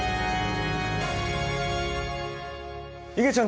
いげちゃん